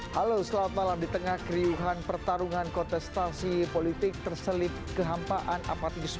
halo selamat malam di tengah keriuhan pertarungan kontestasi politik terselip kehampaan apatisme